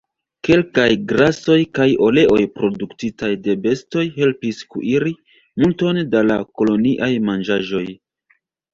Kelkaj grasoj kaj oleoj produktitaj de bestoj helpis kuiri multon da la koloniaj manĝaĵoj.